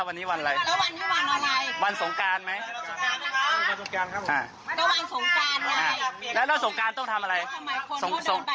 จะให้ฉันให้ไหมจะให้ฉันให้ไหมคะ